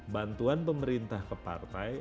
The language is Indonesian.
bantuan pemerintah ke partai